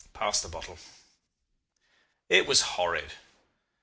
Pass the bottle. "It was horrid.